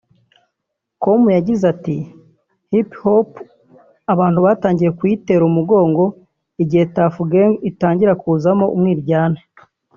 com yagize ati “Hip Hop abantu batangiye kuyitera umugongo igihe Tuff Gangz itangira kuzamo umwiryane